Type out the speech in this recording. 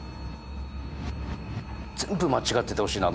全部間違っててほしいな。